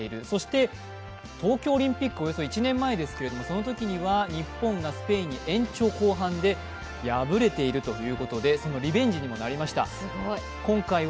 そして東京オリンピック、およそ１年前ですけれども、そのときには日本がスペインに延長、後半で敗れているということで、そのリベンジにもなりました。